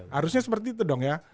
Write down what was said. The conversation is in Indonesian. harusnya seperti itu dong ya